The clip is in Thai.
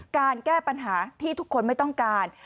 การแก้ปัญหาที่ทุกคนไม่ต้องการ